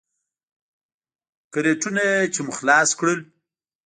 کرېټونه چې مو خلاص کړل.